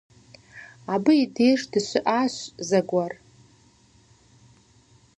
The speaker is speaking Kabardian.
Абы и деж дыщыӏащ зэгуэр.